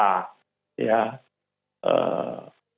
karena tadi ya diasumsikan bulog sendiri